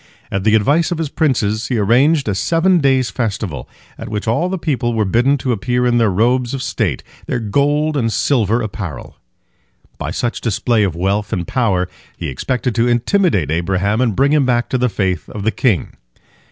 At the advice of his princes, he arranged a seven days' festival, at which all the people were bidden to appear in their robes of state, their gold and silver apparel. By such display of wealth and power he expected to intimidate Abraham and bring him back to the faith of the king.